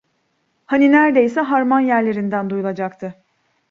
Hani nerdeyse harman yerlerinden duyulacaktı.